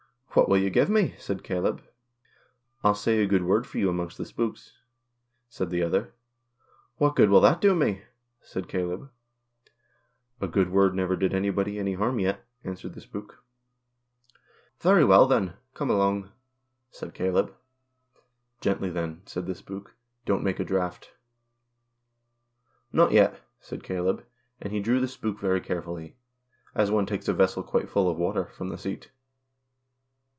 " What will you give me ?" said Caleb. "I'll say a good word for you amongst the spooks," said the other. " What good will that do me ?" said Caleb. "A good word never did anybody any harm yet," answered the spook. 184 THE KIRK SPOOK. " Very well then, come along," said Caleb. " Gently then," said the spook ;" don't make a draught." " Not yet," said Caleb, and he drew the spook very carefully (as one takes a vessel quite full of water) from the seat.